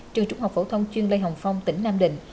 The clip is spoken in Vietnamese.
trường trung học phổ thông chuyên lê hồng phong tỉnh nam định